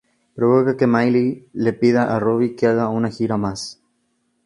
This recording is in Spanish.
Provoca que Miley le pida a Robby que haga una gira más.